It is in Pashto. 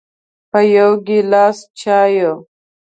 په یو ګیلاس چایو